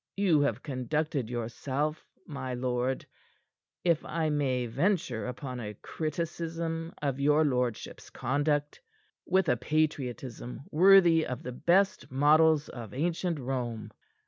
You have conducted yourself, my lord if I may venture upon a criticism of your lordship's conduct with a patriotism worthy of the best models of ancient Rome.